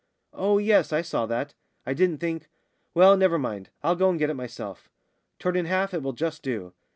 "Oh, yes, I saw that. I didn't think " "Well, never mind, I'll go and get it myself; torn in half, it will just do.